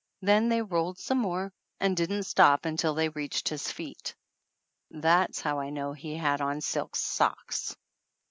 Then they rolled some more and didn't stop until they reached his feet. That's how I knew he had on silk socks.